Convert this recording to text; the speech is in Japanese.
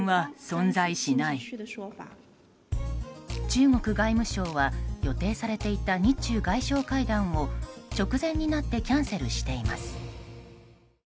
中国外務省は予定されていた日中外相会談を直前になってキャンセルしています。